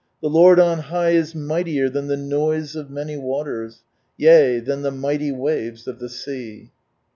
The L>oid on high is mighliec than the noise of many waters, Yea than the mighty waves of the sea